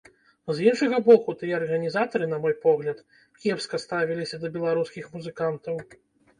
З іншага боку, тыя арганізатары, на мой погляд, кепска ставіліся да беларускіх музыкантаў.